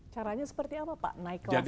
caranya seperti apa pak naik kelas ini